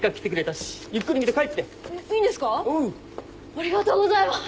ありがとうございます！